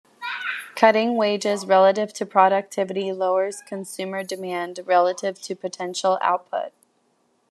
Cutting wages relative to productivity lowers consumer demand relative to potential output.